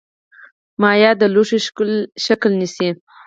مایع د لوښي شکل نیسي.